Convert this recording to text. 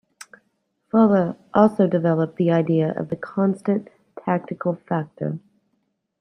Fuller also developed the idea of the "Constant Tactical Factor".